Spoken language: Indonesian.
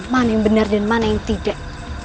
mana yang benar dan mana yang tidak